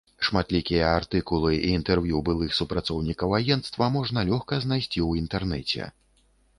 Шматлікія артыкулы і інтэрв'ю былых супрацоўнікаў агенцтва можна лёгка знайсці ў інтэрнэце.